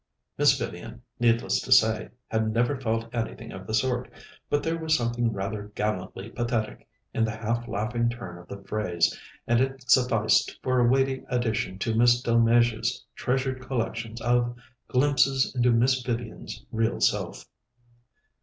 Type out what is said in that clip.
Miss Vivian, needless to say, had never felt anything of the sort, but there was something rather gallantly pathetic in the half laughing turn of the phrase, and it sufficed for a weighty addition to Miss Delmege's treasured collections of "Glimpses into Miss Vivian's Real Self."